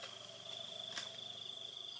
ติดต่อไปแล้ว